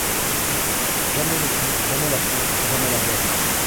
Jamais le fond, jamais la fin, jamais la borne !.